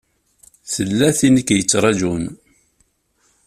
Tella tin i k-yettṛajun.